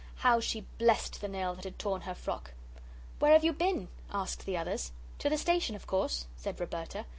How she blessed the nail that had torn her frock! "Where have you been?" asked the others. "To the station, of course," said Roberta.